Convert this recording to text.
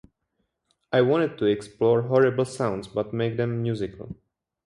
I wanted to explore horrible sounds but make them musical.